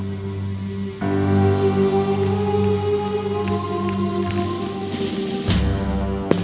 apa kamu membawa titah dari gusti sultan agung